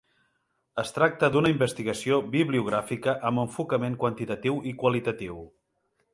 Es tracta d'una investigació bibliogràfica amb enfocament quantitatiu i qualitatiu.